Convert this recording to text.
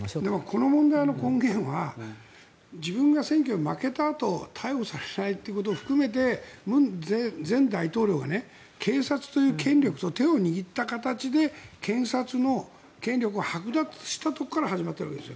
この問題の根源は自分が選挙に負けたあと逮捕されないということを含めて文前大統領がね、検察という権力と手を握った形で検察の権力を剥奪したところから始まっているわけです。